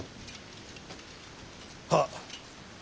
はっ。